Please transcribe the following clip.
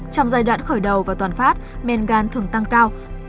trong giai đoạn khởi đầu và toàn phát men gan thường tăng cao